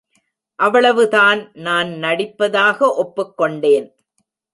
அவ்வளவுதான் நான் நடிப்பதாக ஒப்புக் கொண்டேன்.